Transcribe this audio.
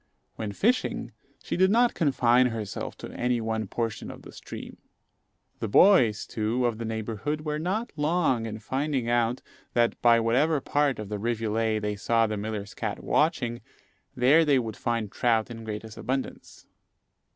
When fishing, she did not confine herself to any one portion of the stream; and whether deep or shallow it was all one to pussy. The boys, too, of the neighbourhood were not long in finding out, that, by whatever part of the rivulet they saw the miller's cat watching, there they would find trout in greatest abundance.